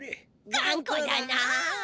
がんこだなあ。